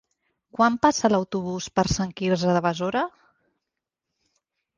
Quan passa l'autobús per Sant Quirze de Besora?